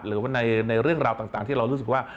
หรือว่าในเรื่องราวต่างที่เรารู้สึกว่า